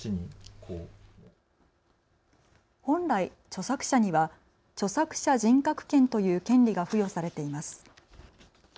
本来、著作者には著作者人格権という権利が付与されています。